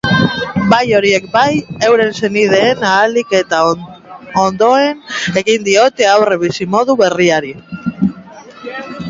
Bai horiek bai euren senideek ahalik eta ondoen egin diote aurre bizimodu berriari.